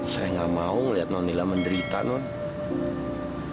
saya enggak mau melihat nona menderita nona